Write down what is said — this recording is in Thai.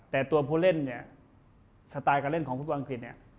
แต่ตัวผู้เล่นเนี่ยสไตล์การเล่นของภูมิวังเกรียดเนี่ย